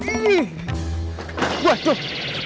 ini buat tuh